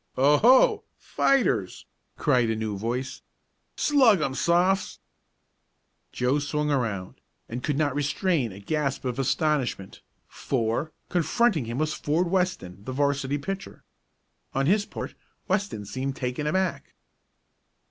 "Oh, ho! Fighters!" cried a new voice. "Slug 'em, Sophs.!" Joe swung around, and could not restrain a gasp of astonishment, for, confronting him was Ford Weston, the 'varsity pitcher. On his part Weston seemed taken aback.